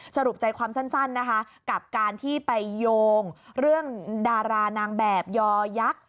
สรุปใจความสั้นนะคะกับการที่ไปโยงเรื่องดารานางแบบยอยักษ์